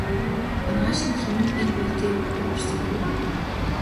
Маргааш нь хэн нь бие биедээ үг дуугарсангүй.